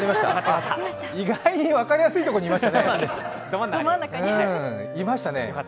意外に分かりやすいところにいましたね。